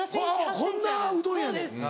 こんなうどんやねん。